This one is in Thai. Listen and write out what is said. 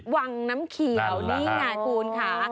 วังน้ำเขียวนี่ไงคุณค่ะ